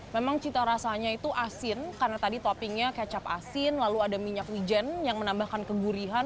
memang cita rasanya itu asin karena tadi toppingnya kecap asin lalu ada minyak wijen yang menambahkan kegurihan